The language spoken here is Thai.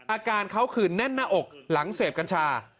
อาการเขานั่นออกหลังเสพกัญชา